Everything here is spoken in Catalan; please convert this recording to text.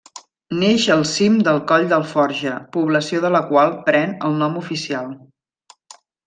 Neix al cim del coll d'Alforja, població de la qual pren el nom oficial.